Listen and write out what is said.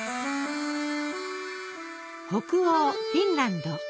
北欧フィンランド。